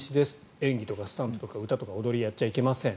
演技とかスタントとか踊り、歌はやっちゃいけません。